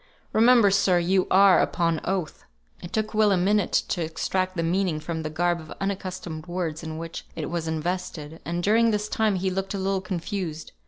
Remember, sir, you are upon oath." It took Will a minute to extract the meaning from the garb of unaccustomed words in which it was invested, and during this time he looked a little confused.